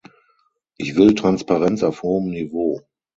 Ich will Transparenz auf hohem Niveau.